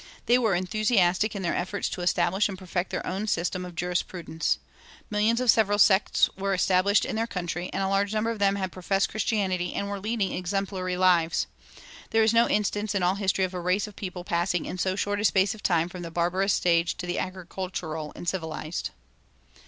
They were enthusiastic in their efforts to establish and perfect their own system of jurisprudence. Missions of several sects were established in their country, and a large number of them had professed Christianity and were leading exemplary lives. There is no instance in all history of a race of people passing in so short a space of time from the barbarous stage to the agricultural and civilized."